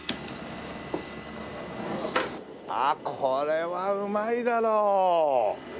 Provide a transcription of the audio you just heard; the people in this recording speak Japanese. あっこれはうまいだろう！